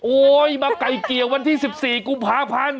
โอ๊ยมาไกลเกลียร์วันที่๑๔กุมภาพันธ์